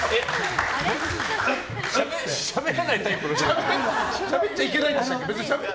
しゃべらないタイプの人？